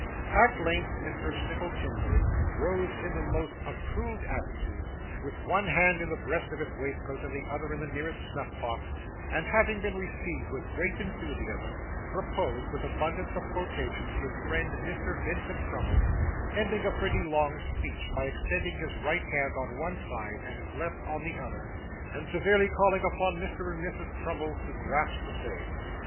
At length Mr. Snittle Timberry rose in the most approved attitude, with one hand in the breast of his waistcoat and the other on the nearest snuff box, and having been received with great enthusiasm, proposed, with abundance of quotations, his friend Mr. Vincent Crummles: ending a pretty long speech by extending his right hand on one side and his left on the other, and severally calling upon Mr. and Mrs. Crummles to grasp the same.